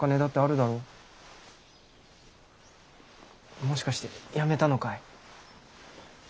もしかして辞めたのかい？